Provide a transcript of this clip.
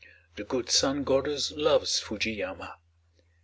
The good Sun Goddess loves Fuji yama.